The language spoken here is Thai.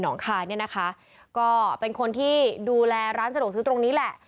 งคายเนี่ยนะคะก็เป็นคนที่ดูแลร้านสะดวกซื้อตรงนี้แหละ